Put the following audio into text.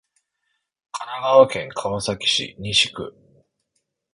神奈川県川崎市西区